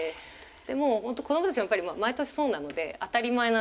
もう本当子どもたちはやっぱり毎年そうなので当たり前なんですよ。